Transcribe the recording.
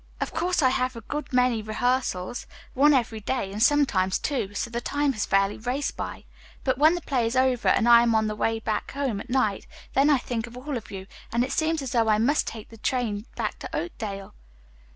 "Of course I have had a good many rehearsals one every day, and sometimes two so the time has fairly raced by; but when the play is over and I am on the way home at night, then I think of all of you, and it seems as though I must take the next train back to Oakdale."